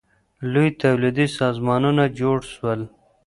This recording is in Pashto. لوی تولیدي سازمانونه جوړ سول.